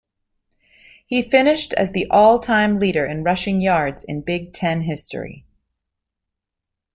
He finished as the all-time leader in rushing yards in Big Ten history.